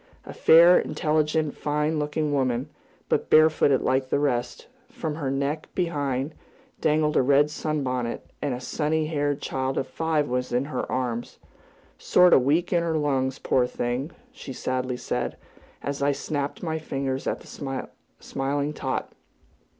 A fair, intelligent, rather fine looking woman, but barefooted like the rest; from her neck behind, dangled a red sunbonnet, and a sunny haired child of five was in her arms "sort o' weak in her lungs, poor thing!" she sadly said, as I snapped my fingers at the smiling tot.